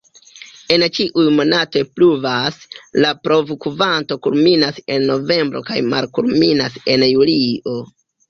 En ĉiuj monatoj pluvas, la pluvokvanto kulminas en novembro kaj malkulminas en julio.